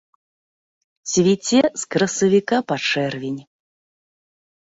Цвіце з красавіка па чэрвень.